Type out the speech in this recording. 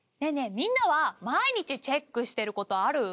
みんなは毎日チェックしてることある？